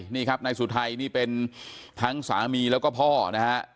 นี่ครับนายสุทัยนี่เป็นทั้งสามีแล้วก็พ่อนะฮะ